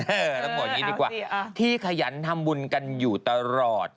ต้องบอกอย่างนี้ดีกว่าที่ขยันทำบุญกันอยู่ตลอด